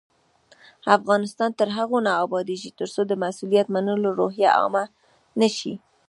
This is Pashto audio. افغانستان تر هغو نه ابادیږي، ترڅو د مسؤلیت منلو روحیه عامه نشي.